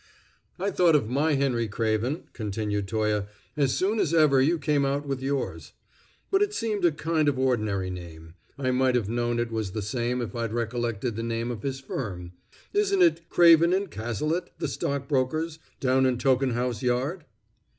"I thought of my Henry Craven," continued Toye, "as soon as ever you came out with yours. But it seemed a kind of ordinary name. I might have known it was the same if I'd recollected the name of his firm. Isn't it Craven & Cazalet, the stockbrokers, down in Tokenhouse Yard?"